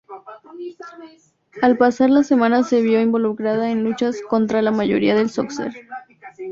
Al pasar las semanas se vio involucrada en luchas contra la mayoría del roster.